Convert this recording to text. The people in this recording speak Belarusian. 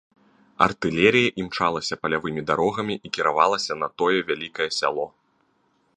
Артылерыя імчалася палявымі дарогамі і кіравалася на тое вялікае сяло.